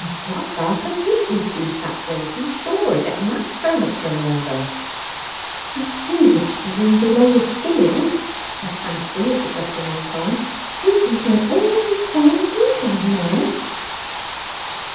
Ah, what a bath of heat we two chaps were in, to be sure, a getting that furniture in order!" "I do so wish the room below was ceiled," said Fancy, as the dressing went on; "we can hear all they say and do down there."